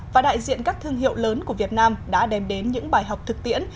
và đại diện các thương hiệu lớn của việt nam đã đem đến những bài học thực tiễn